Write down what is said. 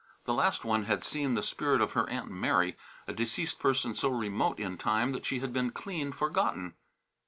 The last one had seen the spirit of her Aunt Mary, a deceased person so remote in time that she had been clean forgotten.